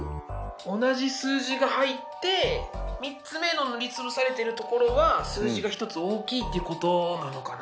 同じ数字が入って３つ目の塗り潰されてるところは数字が１つ大きいってことなのかな？